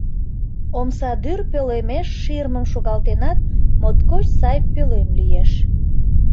Омсадӱр пӧлемеш ширмым шогалтенат, моткоч сай пӧлем лиеш.